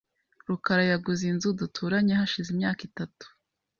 rukara yaguze inzu duturanye hashize imyaka itatu .